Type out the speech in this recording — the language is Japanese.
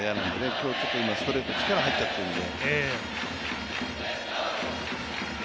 今日はストレート、力、入っちゃっているんで。